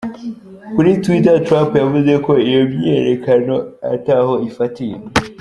Kuri Twitter, Trump yavuze ko iyo myiyerekano ata ho ifatiye.